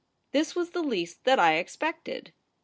This was the least that I expected.'